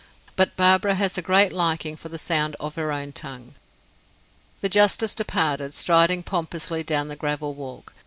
"But Barbara has a great liking for the sound of her own tongue." The justice departed, striding pompously down the gravel walk.